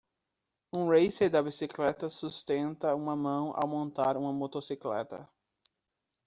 Um racer da bicicleta sustenta uma mão ao montar uma motocicleta.